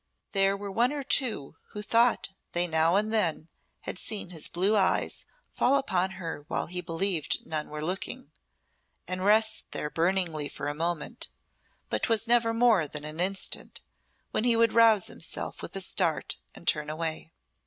There were one or two who thought they now and then had seen his blue eyes fall upon her when he believed none were looking, and rest there burningly for a moment, but 'twas never for more than an instant, when he would rouse himself with a start and turn away.